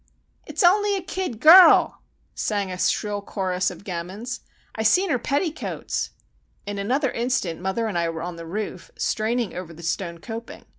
"It's only a kid girl," sang a shrill chorus of gamins. "I seen her petticoats!" In another instant mother and I were on the roof, straining over the stone coping.